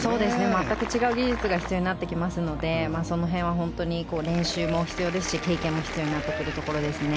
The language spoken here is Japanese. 全く違う技術が必要になってきますのでその辺は本当に練習も必要ですし経験も必要になってくるところですね。